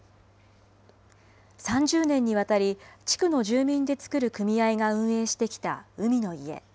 ３０年にわたり、地区の住民で作る組合が運営してきた海の家。